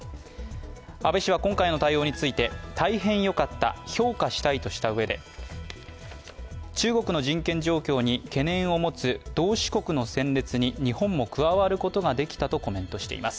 安倍氏は今回の対応について大変よかった、評価したいと述べたうえで、中国の人権状況に懸念を持つ同志国の戦列に日本も加わることができたとコメントしています。